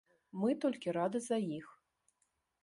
Мы толькі рады за іх.